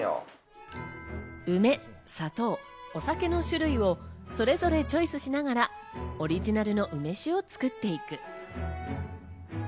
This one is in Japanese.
梅、砂糖、お酒の種類をそれぞれチョイスしながら、オリジナルの梅酒を作っていく。